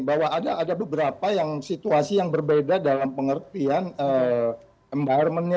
bahwa ada beberapa yang situasi yang berbeda dalam pengertian environment nya